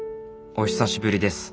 お久しぶりです。